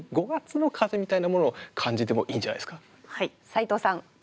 斉藤さん。